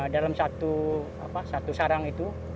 dalam satu sarang itu